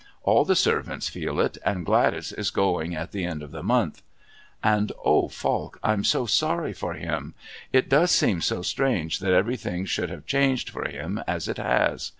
All the servants feel it, and Gladys is going at the end of the month. And oh, Falk! I'm so sorry for him! It does seem so strange that everything should have changed for him as it has.